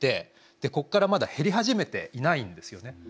ここからまだ減り始めていないんですよね。